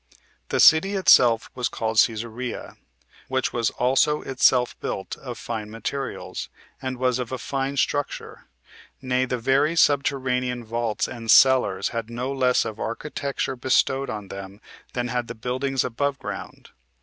The city itself was called Cæsarea, which was also itself built of fine materials, and was of a fine structure; nay, the very subterranean vaults and cellars had no less of architecture bestowed on them than had the buildings above ground.